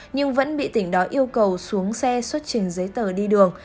nhưng vẫn bị tỉnh đó yêu cầu xuống xe xuất trình giấy tờ đi đường